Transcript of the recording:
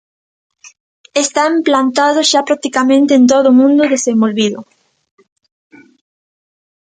Está implantado xa practicamente en todo o mundo desenvolvido.